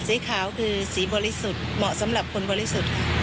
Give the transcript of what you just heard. สีขาวคือสีบริสุทธิ์เหมาะสำหรับคนบริสุทธิ์